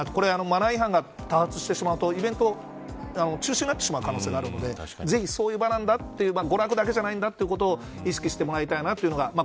マナー違反が多発してしまうとイベント中止になってしまう可能性があるのでぜひそういう場なんだということを娯楽だけじゃないということをこれは持論です。